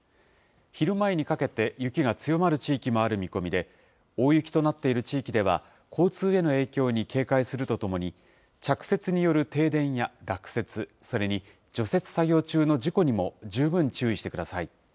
昼前にかけて、雪が強まる地域もある見込みで、大雪となっている地域では、交通への影響に警戒するとともに、着雪による停電や落雪、それに除雪作業中の事故にも十分注意してください。